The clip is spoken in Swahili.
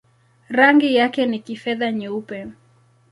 Rangi yake ni kifedha-nyeupe.